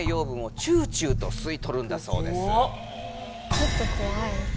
ちょっとこわい。